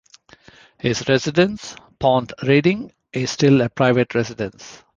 His residence, Pont Reading, is still a private residence.